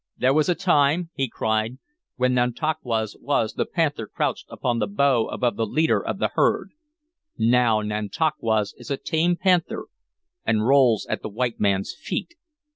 "There was a time," he cried, "when Nantauquas was the panther crouched upon the bough above the leader of the herd; now Nantauquas is a tame panther and rolls at the white men's feet!